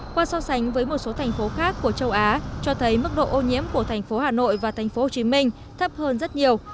qua so sánh với một số thành phố khác của châu á cho thấy mức độ ô nhiễm của thành phố hà nội và thành phố hồ chí minh thấp hơn rất nhiều